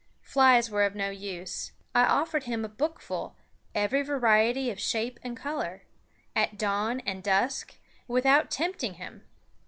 Flies were no use. I offered him a bookful, every variety of shape and color, at dawn and dusk, without tempting him.